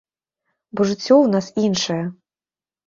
Бо жыццё ў нас іншае.